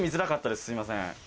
すいません。